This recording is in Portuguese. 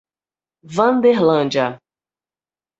Wanderlândia